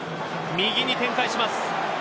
右に展開します。